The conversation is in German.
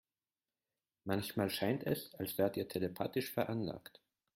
Manchmal scheint es, als wärt ihr telepathisch veranlagt.